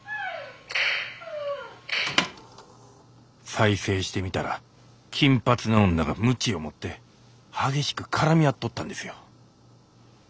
再生してみたら金髪の女が鞭を持って激しく絡み合っとったんですよ。